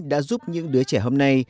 đã giúp những đứa trẻ hôm nay